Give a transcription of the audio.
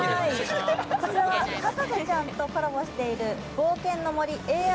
こちらは「博士ちゃん」とコラボしている「冒険の森ＡＲ